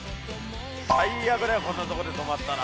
最悪だよこんなところで止まったら。